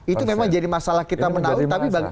itu memang jadi masalah kita menahu